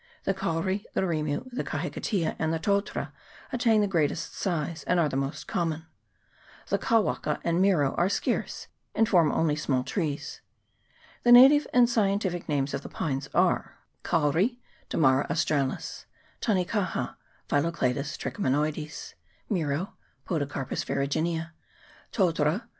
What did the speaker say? The kauri, the rirnu, the kahikatea, and the totara attain the greatest size, and are the most common ; the kawaka and miro are scarce, and form only small trees. The native and scientific names of the pines are Kauri ... Dammara Australis. Tanekaha .. Phyllocladus trichomanoides. Miro _,,.,.. Podocarpus ferruginea. Totara